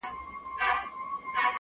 پرهار ته مي راغلي مرهمونه تښتوي!.